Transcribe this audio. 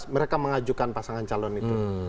mereka mengajukan pasangan calon itu